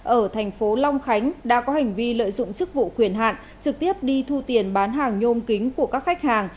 ở thành phố long khánh đã có hành vi lợi dụng chức vụ quyền hạn trực tiếp đi thu tiền bán hàng nhôm kính của các khách hàng